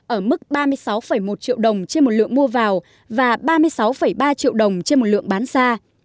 ở mức ba mươi sáu một triệu đồng trên một lượng mua vào và ba mươi sáu ba triệu đồng trên một lượng bán ra